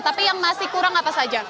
tapi yang masih kurang apa saja